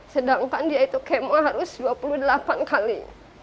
sedangkan dia itu kemo harus dua puluh delapan kali